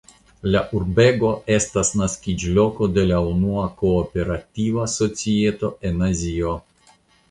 La urbego estas naskiĝloko de la unua kooperativa societo en Azio.